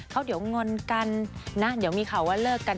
เขาเดี๋ยวงอนกันนะเดี๋ยวมีข่าวว่าเลิกกัน